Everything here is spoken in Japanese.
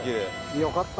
よかった。